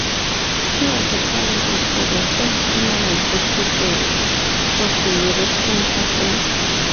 She was a candidate for the first permanent President of the European Council.